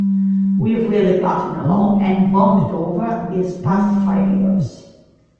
We've really gotten along and bonded over these past five years.